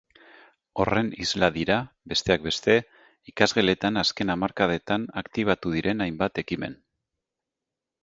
Horren isla dira, besteak beste, ikasgeletan azken hamarkadetan aktibatu diren hainbat ekimen.